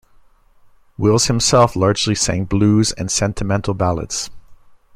Wills himself largely sang blues and sentimental ballads.